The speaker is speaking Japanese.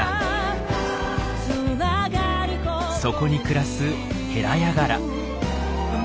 そこに暮らすヘラヤガラ。